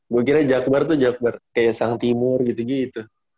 gue kiranya jakbar tuh jakbar kayak sang timur gitu gitu